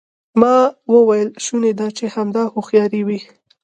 ما وویل شونې ده چې همدا هوښیاري وي.